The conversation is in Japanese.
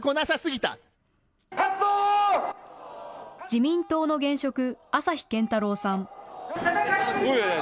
自民党の現職、朝日健太郎さん。